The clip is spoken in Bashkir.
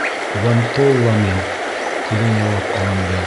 Вон-толла мин! — тигән яуап алыңды.